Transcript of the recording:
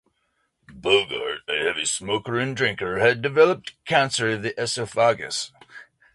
Bogart, a heavy smoker and drinker, had developed cancer of the esophagus.